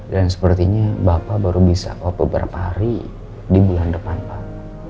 dan sepertinya bapak baru bisa kopi beberapa hari di bulan depan pak